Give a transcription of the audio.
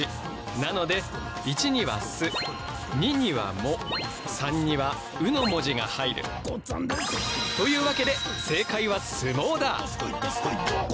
なので１には「す」２には「も」３には「う」の文字が入る。というわけで正解は「すもう」だ！